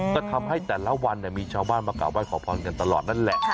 ก็ทำให้แต่ละวันมีชาวบ้านมากราบไห้ขอพรกันตลอดนั่นแหละ